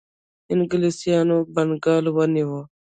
انګلیسانو بنګال ونیو.